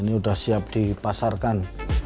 ini sudah siap dipasarkan